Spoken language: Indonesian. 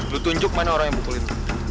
lo tunjuk mana orang yang bukulin